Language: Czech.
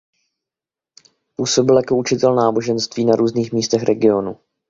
Působil jako učitel náboženství na různých místech regionu.